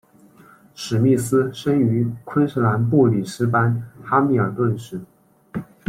史密斯生于昆士兰布里斯班哈密尔顿市。